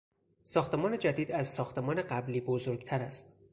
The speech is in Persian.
ساختمان جدید از ساختمان قبلی بزرگتر است.